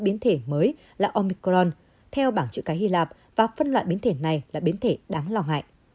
biến thể mới là omicron theo bảng chữ cái hy lạp và phân loại biến thể này là biến thể đáng lo ngại